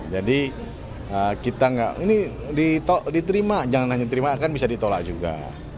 jadi kita gak ini diterima jangan hanya diterima akan bisa ditolak juga